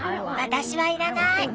私は要らない。